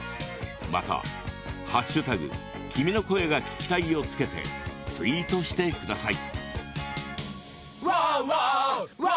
またハッシュタグ「君の声が聴きたい」を付けてツイートしてください！